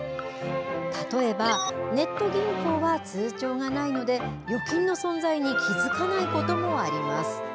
例えばネット銀行は通帳がないので、預金の存在に気付かないこともあります。